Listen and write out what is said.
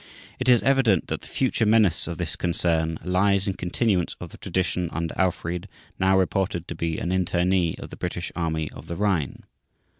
It is evident that the future menace of this concern lies in continuance of the tradition under Alfried, now reported to be an internee of the British Army of the Rhine.